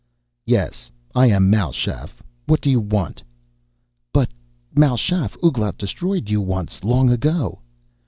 "Yes, I am Mal Shaff. What do you want?" "But, Mal Shaff, Ouglat destroyed you once long ago!"